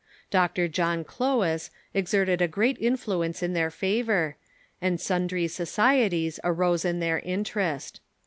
Ur. John New Church ciowes exerted a great influence in their favor, and sundry societies arose in their interest.